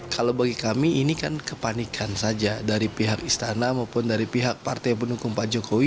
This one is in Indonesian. kalau bagi kami ini kan kepanikan saja dari pihak istana maupun dari pihak partai pendukung pak jokowi